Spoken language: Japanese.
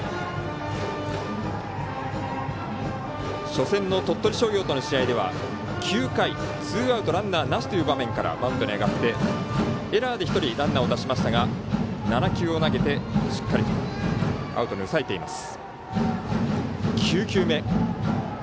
初戦の鳥取商業との試合では９回ツーアウトランナーなしという場面からマウンドに上がって、エラーで１人ランナーを出しましたが７球を投げてしっかりとアウトに抑えています。